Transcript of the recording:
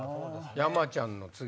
山ちゃんの次。